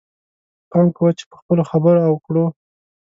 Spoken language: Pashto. پام کوه چې په خپلو خبرو او کړو.